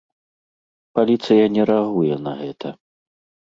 Паліцыя не рэагуе на гэта.